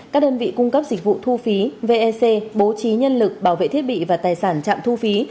các đơn vị cung cấp dịch vụ thu phí vec bố trí nhân lực bảo vệ thiết bị và tài sản trạm thu phí